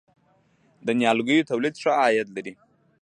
د نیالګیو تولید ښه عاید لري؟